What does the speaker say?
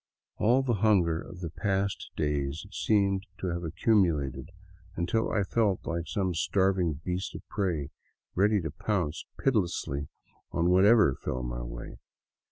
All the hunger of the past days seemed to have accumu lated, until I felt like some starving beast of prey, ready to pounce pitilessly upon whatever fell in my way.